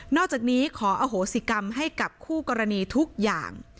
อกจากนี้ขออโหสิกรรมให้กับคู่กรณีทุกอย่าง